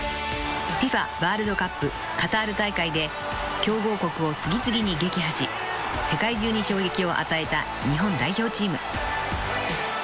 ［ＦＩＦＡワールドカップカタール大会で強豪国を次々に撃破し世界中に衝撃を与えた日本代表チーム］